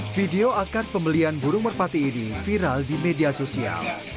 video akad pembelian burung merpati ini viral di media sosial